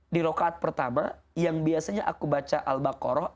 di rokaat pertama yang biasanya aku baca al baqarah